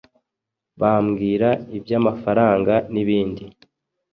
bambwira iby’amafaranga n’ibindi,